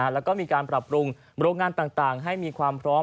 แล้วก็มีการปรับปรุงโรงงานต่างให้มีความพร้อม